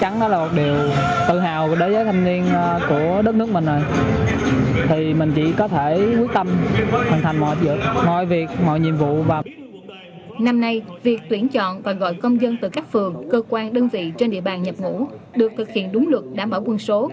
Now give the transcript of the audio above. năm nay việc tuyển chọn và gọi công dân từ các phường cơ quan đơn vị trên địa bàn nhập ngủ được thực hiện đúng lực đã mở quân số